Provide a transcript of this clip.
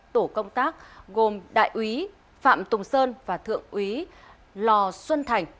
tổ công tác gồm đại úy phạm tùng sơn và thượng úy lò xuân thành